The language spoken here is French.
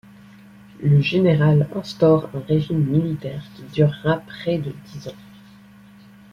Le général instaure un régime militaire qui durera près de dix ans.